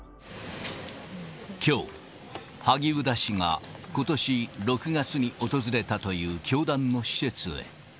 きょう、萩生田氏がことし６月に訪れたという教団の施設へ。